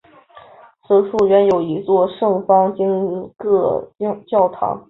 此处原有一座圣方济各教堂。